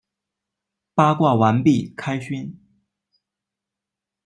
八卦完毕，开勋！